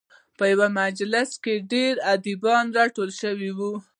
په یوه مجلس کې ډېر ادیبان راټول شوي وو.